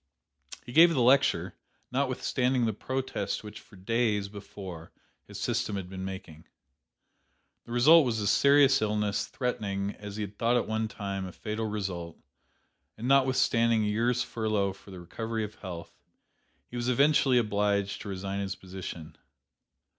"He gave the lecture, notwithstanding the protest which for days before his system had been making. The result was a serious illness, threatening, as he thought at one time, a fatal result; and notwithstanding a year's furlough for the recovery of health, he was eventually obliged to resign his position.